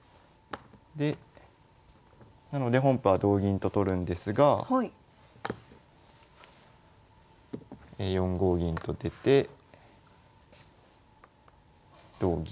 でなので本譜は同銀と取るんですが４五銀と出て同銀。